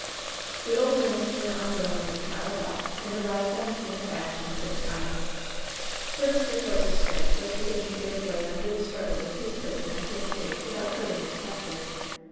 The old minister unwillingly trotted off and arrived on the scene of action in good time, for Mr. Force's strength was beginning to give way under the struggles of his prisoner to escape without hurting his captor.